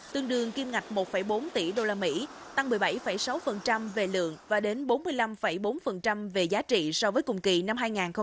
tương đương kim ngạch một bốn tỷ usd tăng một mươi bảy sáu về lượng và đến bốn mươi năm bốn về giá trị so với cùng kỳ năm hai nghìn hai mươi hai